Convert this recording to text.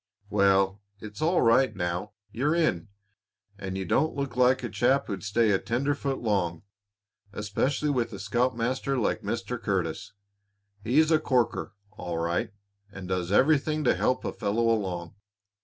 "Well, it's all right now. You're in, and you don't look like a chap who'd stay a tenderfoot long, especially with a scoutmaster like Mr. Curtis. He's a corker, all right, and does everything to help a fellow along.